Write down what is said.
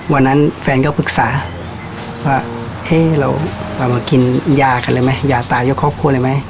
แฟนก็ปรึกษาว่าให้เรามากินยากันเลยไหมยาตายยกครอบครัวเลยไหม